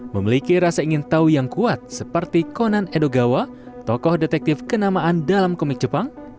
memiliki rasa ingin tahu yang kuat seperti konon edogawa tokoh detektif kenamaan dalam komik jepang